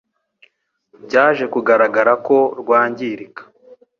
byaje kugaragara ko rwangirika.